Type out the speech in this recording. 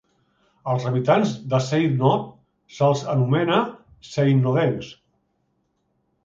Als habitants de Seynod se'ls anomena seinodencs.